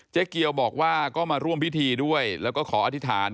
เกียวบอกว่าก็มาร่วมพิธีด้วยแล้วก็ขออธิษฐาน